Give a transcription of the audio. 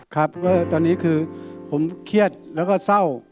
ครับก็ตอนนี้คือผมเครียดแล้วก็เศร้า